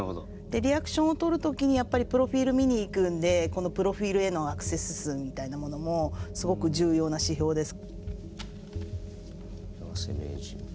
でリアクションをとる時にやっぱりプロフィール見に行くんでこのプロフィールへのアクセス数みたいなものもすごく重要な指標です。